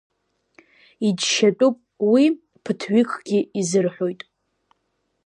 Иџьшьатәуп уи, ԥыҭҩыкгьы изырҳәоит…